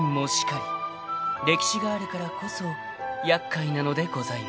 ［歴史があるからこそ厄介なのでございます］